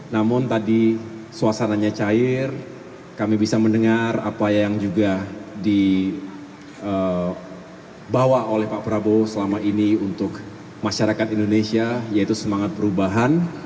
namun tadi suasananya cair kami bisa mendengar apa yang juga dibawa oleh pak prabowo selama ini untuk masyarakat indonesia yaitu semangat perubahan